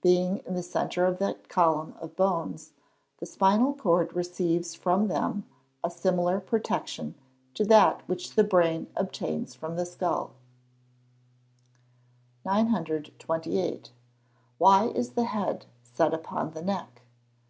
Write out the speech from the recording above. Being in the centre of that column of bones, the spinal cord receives from them a similar protection to that which the brain obtains from the skull. 928. _Why is the head set upon the neck?